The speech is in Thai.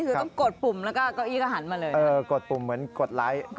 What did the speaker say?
เออกดปุ่มเหมือนกดไลก์